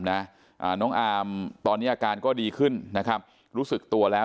น้องอามตอนนี้อาการก็ดีขึ้นนะครับรู้สึกตัวแล้ว